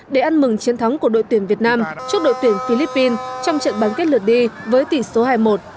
để ăn mừng chiến thắng của đội tuyển việt nam trước đội tuyển philippines trong trận bán kết lượt đi với tỷ số hai một